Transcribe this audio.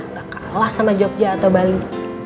nggak kalah sama jogja atau bali